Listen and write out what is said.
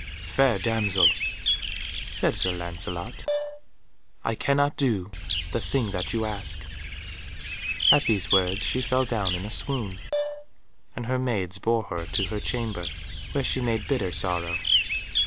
"Fair damsel," said Sir Lancelot, "I cannot do the thing that you ask." At these words she fell down in a swoon, and her maids bore her to her chamber, where she made bitter sorrow.